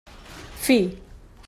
Fi.